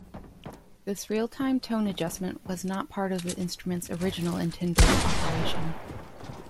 This real-time tone adjustment was not part of the instrument's original intended operation.